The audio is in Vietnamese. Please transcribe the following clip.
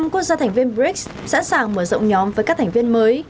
năm quốc gia thành viên brics sẵn sàng mở rộng nhóm với các thành viên mới